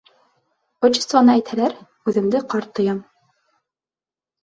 Отчествоны әйтһәләр, үҙемде ҡарт тоям.